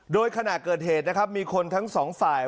โดยขณะเกิดเหตุนะครับมีคนทั้งสองฝ่าย